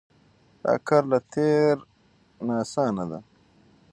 دا کار له تېر نه اسانه دی.